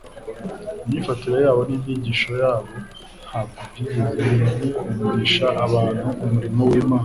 Imyifatire yabo n'inyigisho zabo ntabwo byigeze bikundisha abantu umurimo w'Imana.